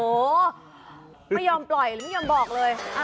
โอ้โหไม่ยอมปล่อยหรือไม่ยอมบอกเลย